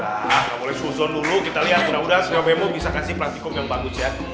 udah nggak boleh susun dulu kita lihat mudah mudahan trio bemo bisa kasih praktikum yang bagus ya